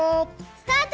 スタート！